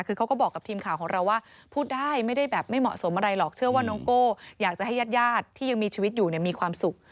คือเขาก็บอกกับทีมข่าวของเราว่าพูดได้ไม่ได้แบบไม่เหมาะสมอะไรหรอกเชื่อว่าน้องโก้อยากจะให้ญาติที่ยังมีชีวิตอยู่มีความสุข